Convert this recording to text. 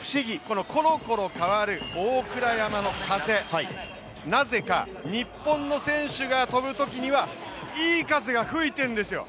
コロコロ変わる大倉山の風、なぜか日本の選手が飛ぶ時には、いい風が吹いているんですよ。